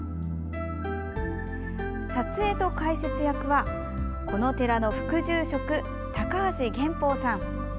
撮影と解説役は、この寺の副住職高橋玄峰さん。